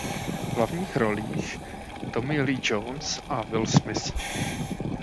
V hlavních rolích Tommy Lee Jones a Will Smith.